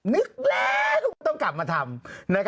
นึกแล้วว่าต้องกลับมาทำ